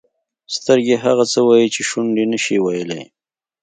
سترګې هغه څه وایي چې شونډې نه شي ویلای.